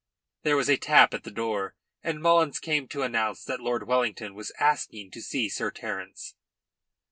There was a tap at the door, and Mullins came to announce that Lord Wellington was asking to see Sir Terence.